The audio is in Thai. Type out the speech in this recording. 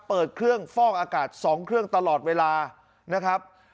เปิดเครื่องฟอกอากาศ๒เครื่องตลอดเวลานะครับ